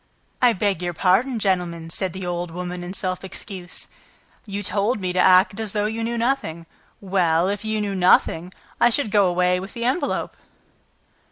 "I beg your pardon, gentlemen," said the old woman, in self excuse, "you told me to act as though you knew nothing ... Well, if you knew nothing, I should go away with your envelope!"